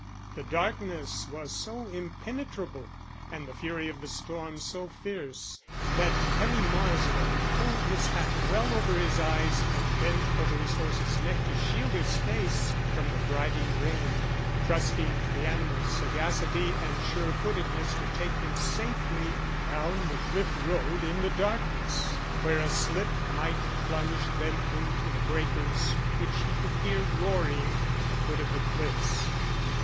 The darkness was so impenetrable, and the fury of the storm so fierce, that Harry Marsland pulled his hat well over his eyes and bent over his horse's neck to shield his face from the driving rain, trusting to the animal's sagacity and sure footedness to take him safely down the cliff road in the darkness, where a slip might plunge them into the breakers which he could hear roaring at the foot of the cliffs.